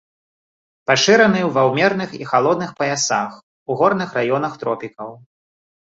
Пашыраны ва ўмераных і халодных паясах, у горных раёнах тропікаў.